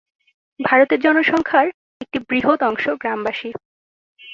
ভারতের জনসংখ্যার একটি বৃহৎ অংশ গ্রামবাসী।